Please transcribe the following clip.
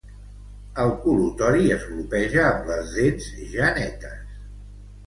El col·lutori es glopeja amb les dents ja netes.